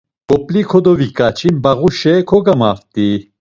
K̆op̌li kodoviǩaçi mbağuşe kogamaft̆i.